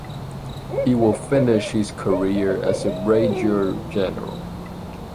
He will finish his career as a brigadier general.